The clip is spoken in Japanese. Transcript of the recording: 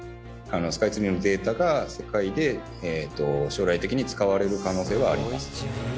スカイツリーのデータが世界で将来的に使われる可能性はあります。